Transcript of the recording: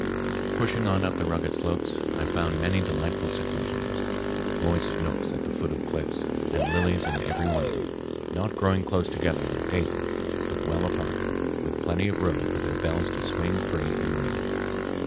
Pushing on up the rugged slopes, I found many delightful seclusions—moist nooks at the foot of cliffs, and lilies in every one of them, not growing close together like daisies, but well apart, with plenty of room for their bells to swing free and ring.